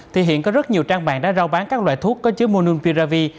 thì hiện có rất nhiều trang mạng đã rao bán các loại thuốc có chứa monumpiravi